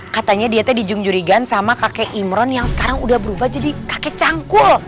katanya dia tuh dijungjurigan sama kakek imron yang sekarang udah berubah jadi kakek canggul